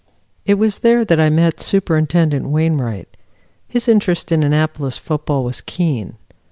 It was there that I met Superintendent Wainwright. His interest in Annapolis football was keen.